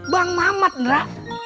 bang mamat indra